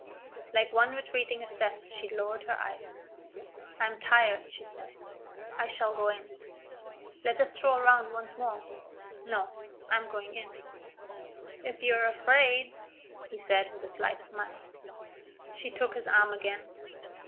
Like one retreating a step, she lowered her eyes. "I am tired," she said. "I shall go in." "Let us stroll round once more." "No, I am going in." "If you are afraid " he said, with a slight smile. She took his arm again.